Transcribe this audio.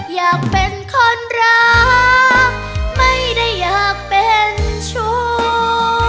อยากเป็นคนรักไม่ได้อยากเป็นชู้